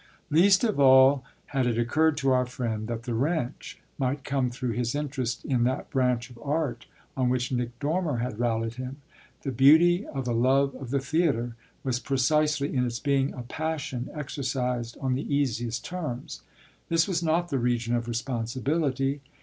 Least of all had it occurred to our friend that the wrench might come through his interest in that branch of art on which Nick Dormer had rallied him. The beauty of a love of the theatre was precisely in its being a passion exercised on the easiest terms. This was not the region of responsibility.